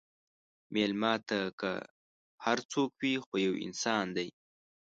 مېلمه ته که هر څوک وي، خو یو انسان دی.